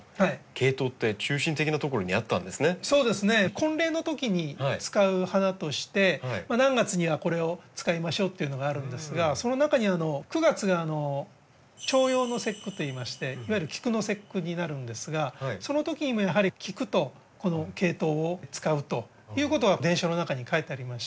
婚礼のときに使う花として何月にはこれを使いましょうっていうのがあるんですがその中に９月が「重陽の節句」といいましていわゆるキクの節句になるんですがそのときにもやはりキクとこのケイトウを使うということは伝書の中に書いてありまして。